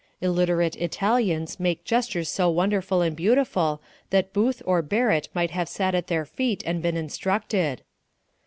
Illiterate Italians make gestures so wonderful and beautiful that Booth or Barrett might have sat at their feet and been instructed.